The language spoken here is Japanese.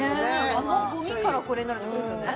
あのゴミからこれになるってことですよね？